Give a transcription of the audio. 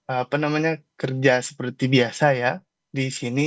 apa namanya kerja seperti biasa ya di sini